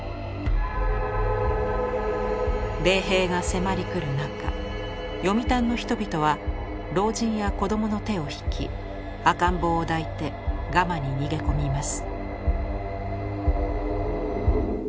米兵が迫り来る中読谷の人々は老人や子どもの手を引き赤ん坊を抱いてガマに逃げ込みます。